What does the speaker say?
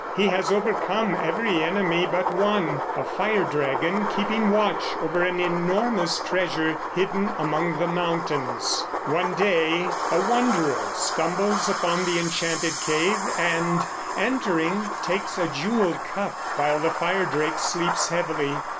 He has overcome every enemy but one, a fire dragon keeping watch over an enormous treasure hidden among the mountains. One day a wanderer stumbles upon the enchanted cave and, entering, takes a jeweled cup while the firedrake sleeps heavily.